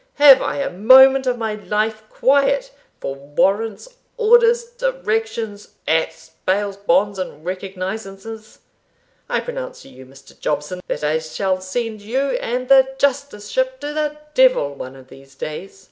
Have I a moment of my life quiet for warrants, orders, directions, acts, bails, bonds, and recognisances? I pronounce to you, Mr. Jobson, that I shall send you and the justiceship to the devil one of these days."